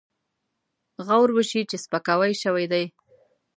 غور وشي چې سپکاوی شوی دی.